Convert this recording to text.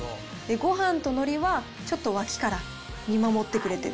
ごはんとのりはちょっと脇から見守ってくれてる、